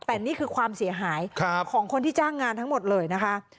แต่นี่คือความเสียหายของคนที่จ้างงานทั้งหมดเลยนะคะ